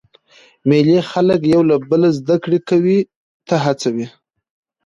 مېلې خلک یو له بله زده کړي کولو ته هڅوي.